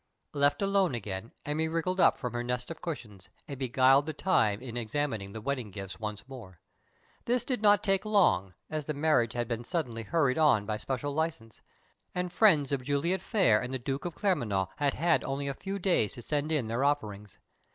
Left alone again, Emmy wriggled up from her nest of cushions, and beguiled the time in examining the wedding gifts once more. This did not take long, as the marriage had been suddenly hurried on by special license, and friends of Juliet Phayre and the Duke of Claremanagh had had only a few days to send in their offerings.